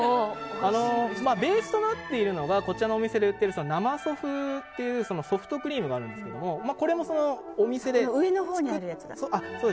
ベースとなっているのがこちらのお店で売っている生そふっていうソフトクリームがあるんですけどこれも、お店で作って。